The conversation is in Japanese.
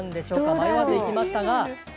迷わずいきましたね